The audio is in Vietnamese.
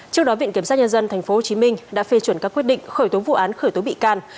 trước đó viện kiểm soát nhân dân tp hcm đã phê chuẩn các quyết định khởi tối vụ án khởi tối bị can